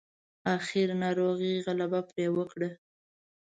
اخير ناروغۍ غلبه پرې وکړه.